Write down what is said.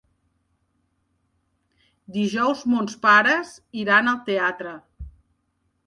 Dijous mons pares iran al teatre.